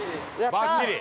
◆ばっちり？